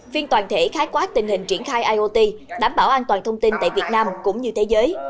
viên toàn thể khái quát tình hình triển khai iot đảm bảo an toàn thông tin tại việt nam cũng như thế giới